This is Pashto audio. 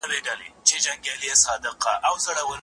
موږ بايد د فکري ثبات لپاره په پوره شعور او پوهي سره ګام واخلي.